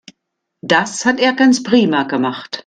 Das hat er ganz prima gemacht.